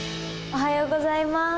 おはようございます。